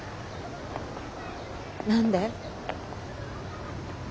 何で？